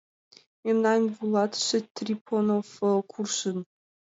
Мемнан вуйлатыше Трипонов куржын...